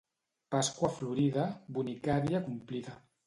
Pasqua Florida, bonicària complida.